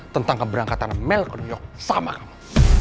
tentang keberangkatan mel keduyok sama kamu